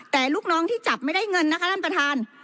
แต่ลูกน้องที่จับไม่ได้เงินนะคะท่านประธาน